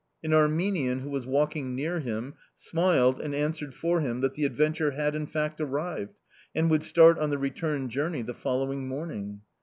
An Armenian, who was walking near him, smiled and answered for him that the "Adventure" had, in fact, arrived, and would start on the return journey the following morning.